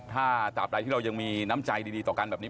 ถ้าตามใดที่เรายังมีน้ำใจดีต่อกันแบบนี้